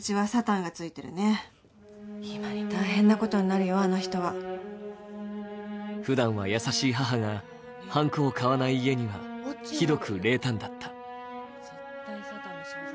今に大変なことになるよ、あの人は。ふだんは優しい母が、はんこを買わない家にはひどく冷淡だった。